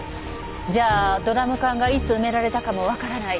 じゃあドラム缶がいつ埋められたかもわからない。